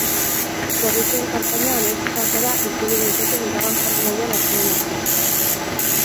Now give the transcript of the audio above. Gorritxoen kapitaina hamaikakora itzuli daiteke iragan jardunaldian atseden hartu ostean.